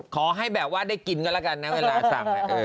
ขอให้แบบว่าได้กินก็แล้วกันนะเวลาสั่ง